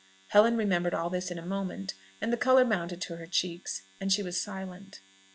Helen remembered all this in a moment; the colour mounted to her cheeks, and she was silent.